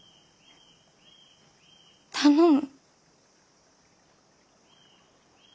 頼む。